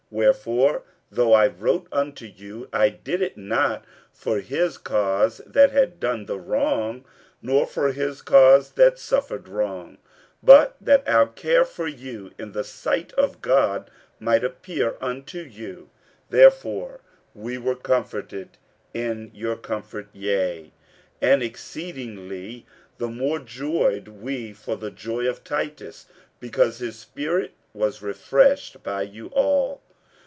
47:007:012 Wherefore, though I wrote unto you, I did it not for his cause that had done the wrong, nor for his cause that suffered wrong, but that our care for you in the sight of God might appear unto you. 47:007:013 Therefore we were comforted in your comfort: yea, and exceedingly the more joyed we for the joy of Titus, because his spirit was refreshed by you all.